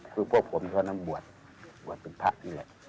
คือพวกผมเท่านั้นบวชบวชเป็นพระอย่างนี้